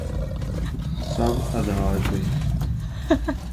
سب ادھار پہ۔